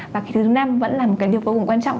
và thứ năm vẫn là một cái điều vô cùng quan trọng